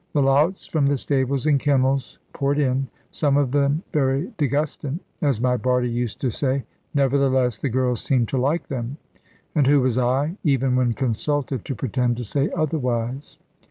The louts from the stables and kennels poured in, some of them very "degustin" (as my Bardie used to say), nevertheless the girls seemed to like them; and who was I, even when consulted, to pretend to say otherwise?